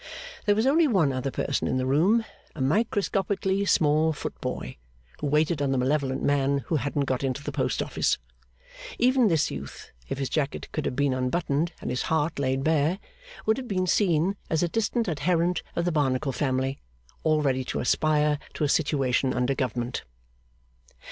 There was only one other person in the room: a microscopically small footboy, who waited on the malevolent man who hadn't got into the Post Office. Even this youth, if his jacket could have been unbuttoned and his heart laid bare, would have been seen, as a distant adherent of the Barnacle family, already to aspire to a situation under Government.